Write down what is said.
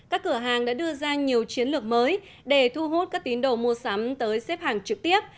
các cửa hàng đã đưa ra nhiều chiến lược mới để thu hút các tín đồ mua sắm tới xếp hàng trực tiếp